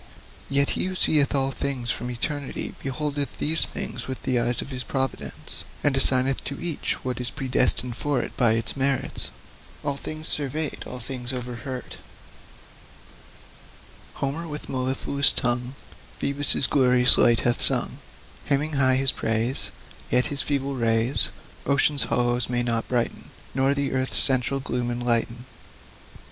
Yet He who seeth all things from eternity beholdeth these things with the eyes of His providence, and assigneth to each what is predestined for it by its merits: '"All things surveying, all things overhearing.'" SONG II. THE TRUE SUN. Homer with mellifluous tongue Phoebus' glorious light hath sung, Hymning high his praise; Yet his feeble rays Ocean's hollows may not brighten, Nor earth's central gloom enlighten.